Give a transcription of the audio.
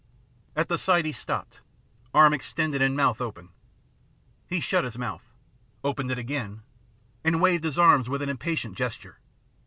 At the sight he stopped, arm extended and mouth open. He shut his mouth, opened it again, and waved his arms with an impatient gesture.